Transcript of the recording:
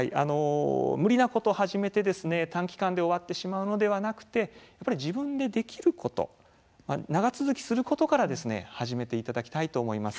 無理なことを始めて、短期間で終わってしまうのではなくて自分でできること長続きすることから始めていただきたいと思います。